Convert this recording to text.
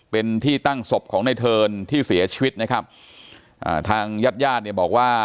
เป็นที่ตั้งศพของในเทิร์นที่เสียชีวิตนะครับอ่าทางญาติญาติเนี่ยบอกว่า